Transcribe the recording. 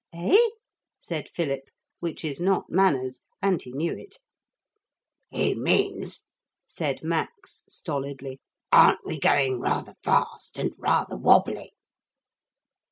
'Eh?' said Philip, which is not manners, and he knew it. 'He means,' said Max stolidly, 'aren't we going rather fast and rather wobbly?'